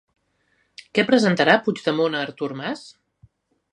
Què presentarà Puigdemont a Artur Mas?